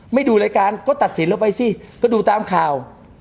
ไม่ดูรายการก็ตัดศิลป์ไปซิก็ดูตามข่าว